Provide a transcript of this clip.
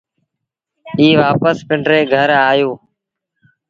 ائيٚݩ وآپس پنڊري گھر آيو۔